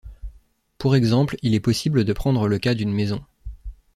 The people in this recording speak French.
Pour exemple, il est possible de prendre le cas d'une maison.